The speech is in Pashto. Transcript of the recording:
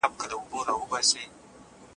کوم عادتونه ورځنی اضطراب له منځه وړي؟